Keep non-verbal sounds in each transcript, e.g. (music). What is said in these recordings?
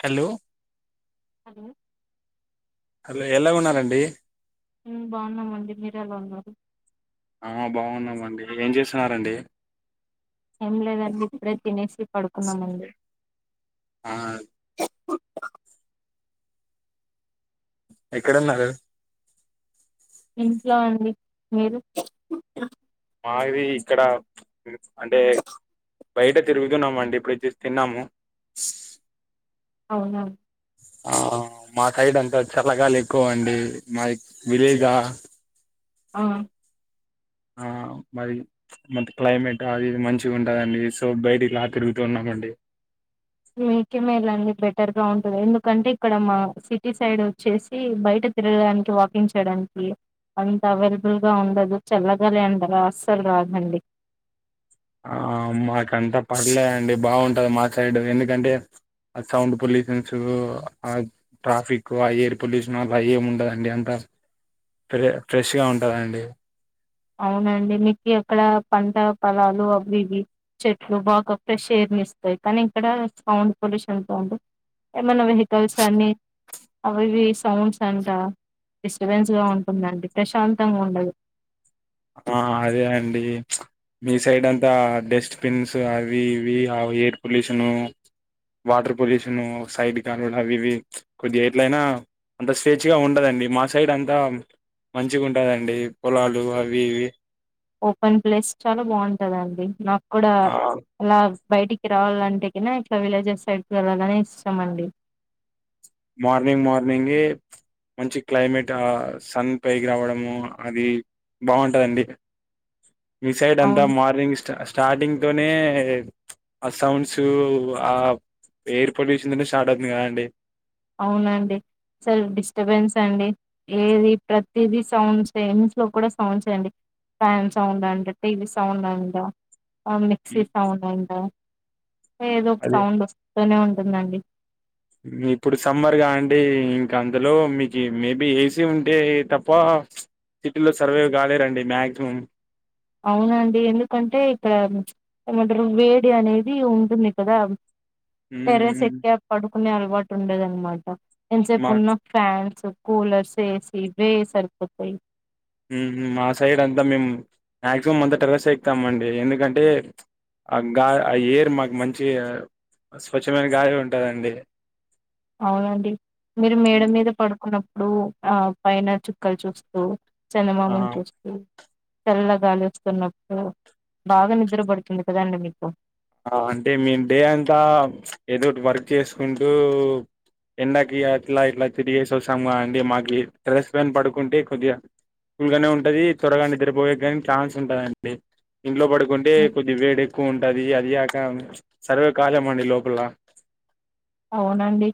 Hello hello hello ఎలా ఉన్నారండి బాగున్నామండి మీరెల వున్నారు ఆ బాగున్నామండి ఏం చేస్తున్నారండి ఏం లేదండి ఇప్పుడే తినేసి పడుకున్నామండి ఆ ఎక్కడున్నారు ఇంట్లో అండి మీరు మాది ఇక్కడ బి అంటే బయట తిరుగుతున్నామండి ఇప్పుడే జస్ట్ తిన్నాము అవునా ఆ మా సైడ్ అంతా చల్లగాలు ఎక్కువ అండి మా విలేజా ఆ ఆ మరి మ క్లైమేట్ అది ఇది మంచిగుంటదండి సో బయట ఇలా తిరుగుతూ ఉన్నామండి మీకే మేలు అండి బెటర్గా ఉంటుంది ఎందుకంటే ఇక్కడ మా సిటీ సైడ్ వచ్చేసి బయట తిరగడానికి వాకింగ్ చేయడానికి అంత అవైల్బుల్గా ఉండదు చల్లగాలి అంటారా అస్సలు రాదండి ఆ మాకంతా పర్లే అండి బాగుంటది మా సైడ్ ఎందుకంటే ఆ సౌండ్ పొల్యూషన్స్ ఆ ట్రాఫిక్ ఆ ఎయిర్ పొల్యూషన్ అలా ఏమ్ ఉండదండి అంత ఫ ఫ్రెష్గా ఉంటదండి అవునండి మీకీ అక్కడ పంట పొలాలు అవి ఇవి చెట్లు బాగా అక్కడ ఫ్రెష్ ఎయిర్ నీ ఇస్తాయి కానీ ఇక్కడ సౌండ్ పొల్యూషన్తో ఉంటంది ఏమైన్నా వెహికల్స్ అన్ని అవిఇవి సౌండ్స్ అంట డిస్టబెన్స్గా ఉంటుందండి ప్రశాంతంగా ఉండదు ఆ అదే అండి మీ సైడ్ అంతా డస్ట్బిన్స్ అవి ఇవి ఆ air pollution water pollution side కాలులు అవి ఇవి కొద్దిగా ఎట్లయినా అంత స్వేచ్ఛగా ఉంటదండి మా సైడ్ అంతా మంచిగా ఉంటదండి పొలాలు అవి వి వి ఓపెన్ ప్లేస్ చాలా బాగుంటదండి నాకు కూడా ఆ అలగ్ బయటికి రావాలంటే కనా ఇట్లా విలేజెస్ సైడ్కి వెళ్ళాలని ఇష్టామండి మార్నింగ్ మార్నింగ్ ఏ మంచి క్లైమేట్ సన్ పైకి రావడము అది బాగుంటదండి ఈ సైడ్ అంతా అవును మార్నింగ్స్ స్ట స్టార్టింగ్ తోనే ఆ సౌండ్స్ ఆ ఎయిర్ పొల్యూషన్తనే స్టార్ట్ అవుతుంది కదండి అవునండి సరే డిస్టర్బెన్స్ అండి ఏది ప్రతిదీ సౌండ్స్ సే ఇంట్లో కూడా సౌండ్స్ సేనండి ఫ్యాన్ సౌండ్ అంట టీవీ సౌండ్ అంట మిక్సీ సౌండ్ అంట ఏదో ఒక అదే సౌండ్ వస్తూనే ఉంట ఉందండి ఇప్పుడు సమ్మర్గా అండి ఇంకా అందులో మీకు మేబీ ఏసీ ఉంటే తప్ప సిటీలో సర్వే కాలేరండి మ్యాక్సిమం అవునండి ఎందుకంటే ఇక్కడ జ ఏమంటారు వేడి అనేది ఉంటుంది కదా టెర్రస్ మ్మ్ ఎక్కి పడు కొనే అలవాటు ఉండేదనమాట ఎంతసేపు మా ఉన్న ఫ్యాన్స్ కూలర్స్ ఏ సీ ఇవే సరిపోతాయి మా సైడ్ అంతా మేము మాక్సిమం అంతా టెర్రస్ ఏ ఎక్కుతమండి ఎందుకంటే ఆ గా ఆ ఎయిర్ మాకు మంచి స్వచ్ఛమైన గాలి ఉంటదండి అవునండి మీరు మేడ హ్మ్. మీద పడుకున్న ఇప్పుడు ఆ పైన చుక్కలు చూస్తూ ఆ చందమామని చూస్తూ తెల్ల గాలి వస్తున్నప్పుడు బాగా నిద్ర పడుతుంది కదండి మీకు అంటే మేము డే అంతా ఏదోటి వర్క్ చేసుకుంటూ ఎండాకి అట్లా ఇట్లా తిరిగేసి వస్తాము కదా అండి మాకి టెర్రస్ పైన పడుకుంటే కొద్దిగా కూల్ గానే ఉంటుంది త్వరగా నిద్రపోయే కానీ ఛాన్స్ ఉంటదండి ఇంట్లో పడుకుంటే ఆ కొద్ది వేడి ఎక్కువ ఉంటది సక సర్వే కాలమండి లోపల అవునండి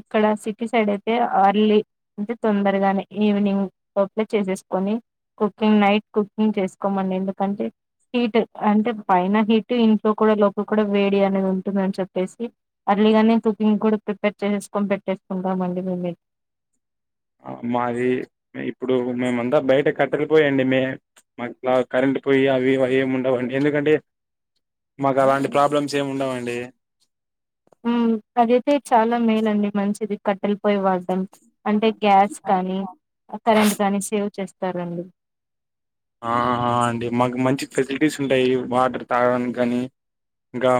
ఇక్కడ సిటీ సైడ్ అయితే అర్లీ అంటే తొందరగానే ఈవినింగ్ లోపల చేసేసుకొని కుకింగ్ నైట్ కుకింగ్ చేసుకోమండి ఎందుకంటే హీట్ అంటే పైన హీట్ ఇంట్లో కూడా లోపల కూడా వేడి అనేది ఉంటుందని చెప్పేసి అర్లీగానే కుక్ ఇం కూడా ప్రిపేర్ చేసేసుకొని పెట్టేసుకుంటామండి మేమే మాది ఇప్పుడు మేమంతా బయట కట్టలిపోయిండి మే మాకులా కరెంట్ పోయి అవి అవి ఏమి ఉండవండి ఎందుకంటే మాకు అలాంటి ప్రాబ్లమ్స్ ఏమి ఉండవండి అదైతే చాలా మేలండి మంచిది కట్టెలిపోయ వాడటనికి అంటే గ్యాస్ కానీ కరెంట్ కానీ సేవ్ చేస్తారండి ఆ అండి మాకు మంచి ఫెసిలిటీస్ ఉంటాయి వాటర్ తాగడానికి గానీ ఇంకా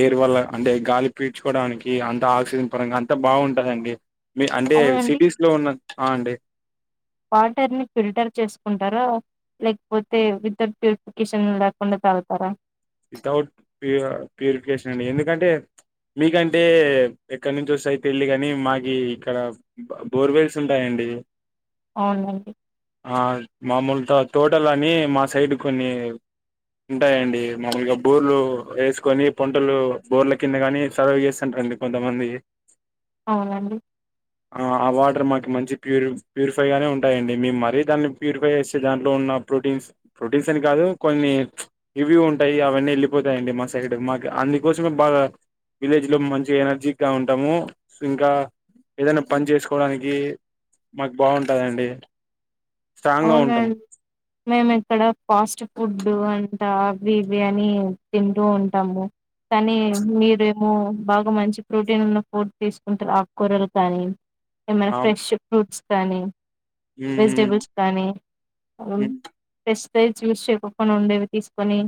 ఎయిర్ వల్ల అంటే గాలి పీడ్చుకోవడానికి అంత ఆక్సిజన్ పరంగా అంత బాగుంటదండి మీ అంటే అవునండి సిటీస్ లో ఉన్నా అ అండి వాటర్ ని ఫిల్టర్ చేసుకుంటారా లేకపోతే వితౌట్ ప్యూరిఫికేషన్ లేకుండా తాగుతారా వితౌట్ ప్యూ ప్యూరిఫికేషన్ అండి ఎందుకంటే మీకంటే ఎక్కడి నుంచి వస్తాయి తెలీదు గానీ మాకి ఇక్కడ బోర్వెల్స్ ఉంటాయండి అవునండి ఆ మామూలుతో తోటలు అని మా సైడ్ కొన్ని ఉంటాయండి మామూలుగా బోర్లు వేసుకొని పంటలు బోర్ల కింద కాని సర్వే చేస్తుంటారండి కొంతమంది అవునండి ఆ ఆ వాటర్ మాకి మంచి ప్యూరి ప్యూరిఫై గానే ఉంటాయండి మేము మరీ దాన్ని ప్యూరిఫై చేస్తే దాంట్లో ఉన్న ప్రోటీన్స్ ప్రోటీన్స్ అని కాదు కొన్ని ఇవి ఉ అవన్నీ వెళ్ళిపోతాయండి మా సైడ్ మాకు అందుకోసమే బాగా విలేజ్ లో మంచి ఎనర్జీ గా ఉంటాము ఇంకా ఏదైనా పని చేసుకోవడానికి మాకు బాగుంటాదండి స్ట్రాంగ్ గా ఉంటాం అవునండి మేము ఇక్కడ ఫాస్ట్ ఫుడ్ అంట అవి ఇవి అని తింటూ ఉంటాము కాని మీరు బాగా మంచి ప్రోటీన్ ఉన్న ఫుడ్ తీసుకుంటారు ఆకుకూరలు కానీ ఏమైనా ఫ్రెష్ ఫ్రూట్స్ కాని హ్మ్మ్ కానీ టెస్ట్ ప్రైస్ చూసుకోకుండా ఉండేవి తీసుకొని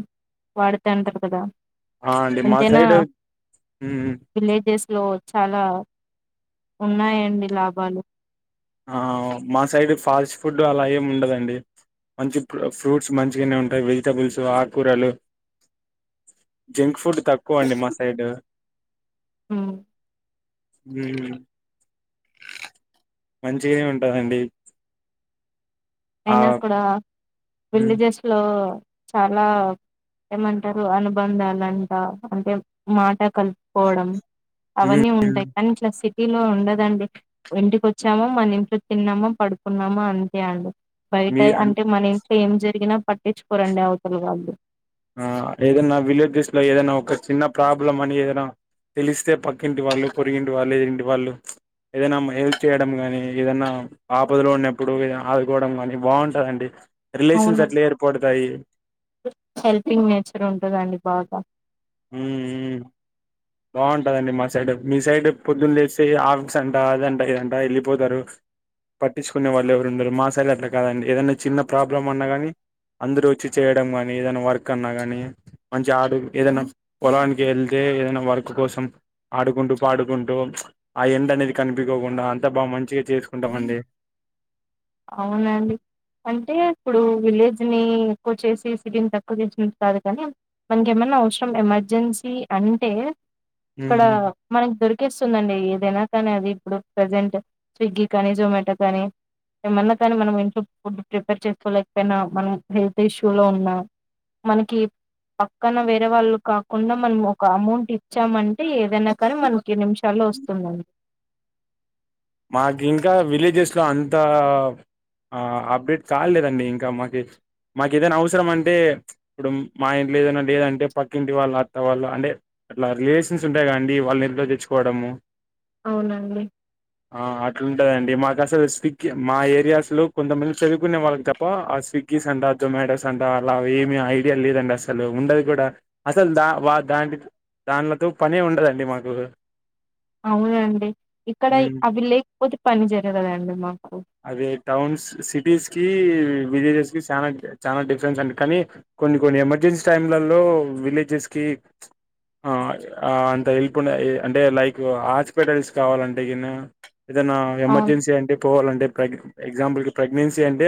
వాడుత అంటారు కదా ఆ అండి మా ఎంతైనా సైడ్ విలేజెస్ లో చాలా ఉన్నాయండి లాభాలు ఆ మా సైడ్ ఫాస్ట్ ఫుడ్ అలా ఏమి ఉండదండి మంచి ఫ్రూట్స్ మంచిగానే ఉంటాయి వెజిటబుల్స్ ఆకూరలు జంక్ ఫుడ్ తక్కువ అండి మా సైడ్ హ హ్మ్ మంచిగానే ఉంటాందండి అయినా కూడా ఉమ్, విలేజెస్ లో చాలా ఏమంటారు అనుబంధాలంట అంటే మాట కలుపుకోవడం ఉమ్, అవన్నీ ఉమ్, ఉంటాయి కానీ ఇట్లా సిట్ సిటీ లో ఉండదండి ఇంటికి వచ్చాము మన ఇంట్లో తిన్నామ పడుకున్నామ అంతే అండి. మీ బయటయి అంటే మని ఏం జరిగినా పట్టిచుకోరండి అవతల వాళ్ళు. ఆ ఏదన్నా విలేజెస్ లో ఏదైనా ఒక చిన్న ప్రాబ్లం అని ఏదైనా తెలిస్తే పక్కింటి వాళ్ళు పొరిగింటి వాళ్ళు ఎదిరెంటి వాళ్ళు ఏదైనా హెల్ప్ చేయడం గాని ఏదనా ఆపదలో ఉన్నప్పుడు ఏదైనా ఆదుకోవడం ని బావుంటందండి. రిలేషన్స్ అవును అట్లే ఏడ్పడుతాయి. అక్కడే ఉండదండి బాగా హ్మ్ హ్మ్ బావుంటదండి మా సైడ్ మీ సైడ్ పొద్దున్న లేసి ఆఫీస్ అంట అదంట ఇదంట ఎల్లిపోతారు పట్టిచుకునే వాళ్ళు ఎవరు ఉండరు మా సైడ్ అట్లా కాదండి ఏదన్న చిన్న ప్రాబ్లం అన్న గానీ అందరు వచ్చి చేయడం గాని ఏదైనా వర్క్ అన్నా గానీ మంచి ఆడు ఏదైనా పొలానికి ఎల్తే ఏదైనా వర్క్ కుడ్ (unintelligible) కోసం ఆడుకుంటూ పాడుకుంటూ ప్చ్ ఆ ఎండ అనేది కనిపికోకుండా అంతా బామంచి చేసుకుంటాం అండి. అవునండి అంటే ఇప్పుడూ విలేజ్ నీ ఎక్కువ చేసి సిటీని తక్కువ చేసినటు కాదుకానీ మనకి ఏమన్న అవసరం ఎమర్జెన్సీ అంటే ఇక్కడా ఉహు. మన దొరిక్ కిస్సుందండి ఏదైనా కానీ అది ఇప్పుడు ప్రజెంట్ స్విగ్గి కానీ జొమాటో గానీ ఏమన్నా కానీ మనము ఇంట్లో ఫుడ్ ప్రిపేర్ చేసుకోలేకపోయినా మనం హెల్త్ ఇష్యూ లో ఉన్నా మనకి పక్కన వేరే వాళ్ళు కాకుండా మనం ఒక అమౌంట్ ఇచ్చామంటే ఏదైనా కానీ మనకి నిమిషాల్లో వస్తుందండి. మాకు ఇంకా విలేజెస్ లో అంతా ఆ అప్డేట్ కాలేదండి ఇంకా మాకి మాకేదైనా అవసరం అంటే ప్చ్ ఇప్పుడు మా ఇంట్లో ఏదైనా లేదంటే పక్కింటి వాళ్ళు అత్త వాళ్ళు అంటే అట్లా రిలేషన్స్ ఉంటాయికదండి వాళ్ళ ఇట్లో తెచ్చుకోవడము అవునండి ఆ అట్లుంటుదండి మాకు అసలు స్విగ్గి మా ఏరియాస్ లో కొంతమంది చదువుకునే వాళ్ళు తప్పా ఆ స్విగ్గీస్ అంట జొమాటోస్ అంటా అలా ఏమీ ఐడియా లేదండస్సలు ఉండదు కూడా అసలు దా-వా-దా-దాంలతో పనే ఉండదండి మాకు. అవునండి ఇ ఇక్కడై మ్మ్ అవి లేపోతే పని జరగగదండి మాకు. అదే టౌన్స్ సిటీస్ కి విలేజెస్ కి చనా చాలా డిఫరెన్స్ అం కానీ కొన్ని కొన్ని ఎమర్జెన్సీ టైంలలో విలేజెస్ కి అ అ అంత హెల్ప్ ఉన్నా అంటే లైక్ హాస్పిటల్స్ కావాలంటే అగనా ఏదైనా అవును ఎమర్జెన్సీ అంటే పోవాలంటే ప్రగ్ ఎగ్జాంపుల్కి ప్రెగ్నెన్సీ అంటే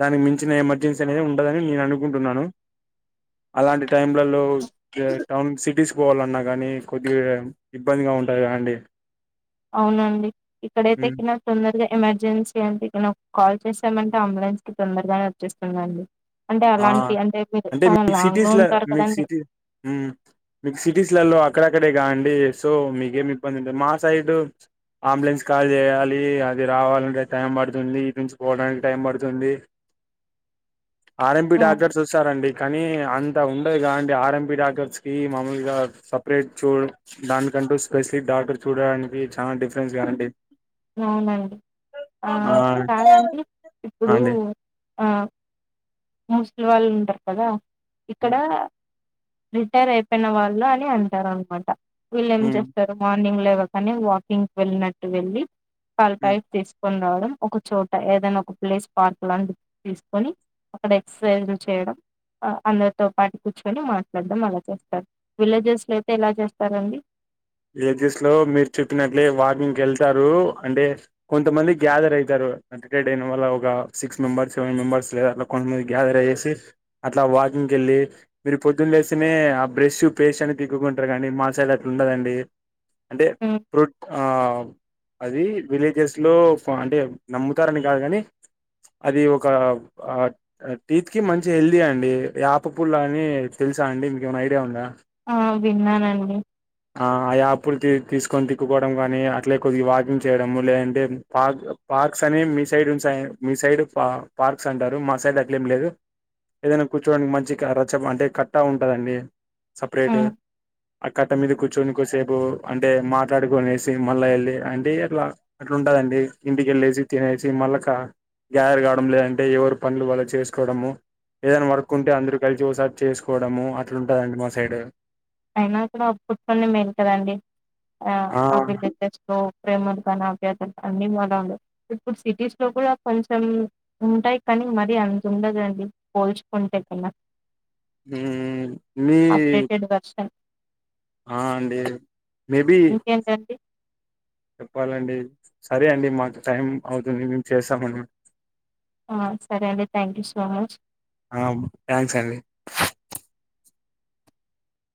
దానికి మించిన ఎమర్జెన్సీ అనేది ఉండదని నేను అనుకుంటున్నాను అలాంటి టైంలలో టౌన్ సిటీస్ పోవాలన్నా కానీ కొద్దిగా ఇబ్బందిగా ఉంటుంది అండి అవునండి ఇక్కడైతే (unintelligible) తొందరగా ఎమర్జెన్సీ అంటే ఇక్కడ కాల్ చేసామంటే అంబులెన్స్ కి తొందరగానే వచ్చేస్తుందిండి ఆ అంటే మీకు లాంగ్ లో సిటీస్ల ఉంటారు మీకు కదండి సిటీ ఉమ్ మీకు సిటీస్ లలో అక్కడ అక్కడే కా అండి సో మీకేం ఇబ్బంది ఉంటుంది మా సైడ్ అంబులెన్స్ కాల్ చేయాలి అది రావాలంటే టైం పడుతుంది ఇటి నుంచి పోవడానికి టైం పడుతుంది ఆర్ఎంపి ఆ డాక్టర్ చూస్తారండి కానీ అంత ఉండదు గా అండి ఆర్ఎంపి డాక్టర్స్ కి మామూలుగా సపరేట్ చూ దానికంటూ స్పెషలిస్ట్ డాక్టర్ చూడడానికి చాలా డిఫరెన్స్ కాదండి అవునండి ఆ కాదండి ఇప్పుడు అండి ఆ ముూసలి వాళ్ళు ఉంటారు కదా ఇక్కడ మ్మ్ రిటైర్ అయిపోయిన వాళ్ళు అని అంటారు అనమాట వీళ్ళు ఏం మ్మ్ చేస్తారు మా మార్నింగ్ లేవ కాని వాకింగ్కి వెళ్ళినట్టు వెళ్ళి పాల ప్యాకెట్ తీసుకున్నా వడం ఒక చోట ఏదనా ఒక ప్లేస్ పార్క్ లాంటి తీసుకొని అక్కడ ఎక్సర్సైజ్ చేయడం అందరితో పాటు కూర్చొని మాట్లాడడం అలా చేస్తారు విలేజెస్ లో అయితే ఎలా చేస్తారండి విలేజెస్ లో మీరు చెప్పినట్లే వాకింగ్ వెళ్తారు అంటే కొంతమంది గ్యాదర్ అవుతారు అకే డైన్ వల్ల ఒక సిక్స్ మెంబర్స్ సెవెన్ మెంబర్స్ లేద అట్లా కొంతమంది గ్యాదర్ అయేసి అట్లా వాకింగ్కి వెళ్ళి మీరు పొద్దున్న లేస్తేనే ఆ బ్రష్ పేస్ట్ అని తిక్కుకుంటారు కానీ మా సైడ్ అట్లా ఉండదండి అంటే ఉమ్ ఫ్రూట్ ఆహ్ అది విలేజెస్లో అంటే నమ్ముతారని కాదు కానీ అది ఒక ఆ ఆ టీత్ కి మంచి హెల్తీ అండి యాప పుల్ల అని తెలుసా అండి మీకేమైనా ఐడియా ఉందా ఆ విన్నానండి ఆ యాప్పుల్ల తీసుకొని తిక్కుకోవడం కానీ అట్లే కొద్దిగా వాకింగ్ చేయడము లేదంటే పార్క్ పార్క్స్ అని మీ సైడ్ ఉ మీ సైడ్ పా పార్క్స్ అంటారు మా సైడ్ అట్లేం లేదు ఏదైనా కూర్చోడానికి మంచిగ రచ్చ అంటే కట్టా ఉంటదండి సపరేట్ గా ఉమ్ అక్కక్ కట్ట మీద కూర్చొని కొసేపు అంటే మాట్లాడుకునేసి మళ్ళా ఎళ్ళి అంటే అట్లా అట్లుంటదండి ఇంటికెళ్ళేసి తినేసి మళ్ళాగా గ్యాదర్ కావడం లేదంటే ఎవరి పనులు వాళ్ళు చేసుకోవడము ఏదైనా వర్క్ ఉంటే అందరు కలిసి ఓసారి చేసుకోవడము అట్లుంటదండి మా సైడ్ అయినా ఇక్కడ (unintelligible) ఆ ఆ విలేజెస్ లో ప్రేమలు కానీ ఆప్యాయతలు అన్నీ మారాలి ఇప్పుడు సిటీస్ లో కూడా కొంచెం ఉంటాయి కానీ మరీ అంత ఉండదండి పోల్చుకుంటే కన్నా హుమ్ మీ అప్డేటెడ్ వెర్షన్ ఆ అండి మే బి ఇంకేంటండి చెప్పాలండి సరే అండి మాకు టైం అవుతుంది మేము చేస్సామండి ఆ సరే అండి థ్యాంక్యూ సో మచ్ థ్యాంక్స్ అండి